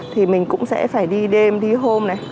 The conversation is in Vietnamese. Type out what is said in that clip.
thì mình cũng sẽ phải đi đêm đi hôm này